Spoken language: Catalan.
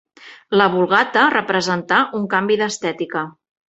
La Vulgata representà un canvi d’estètica.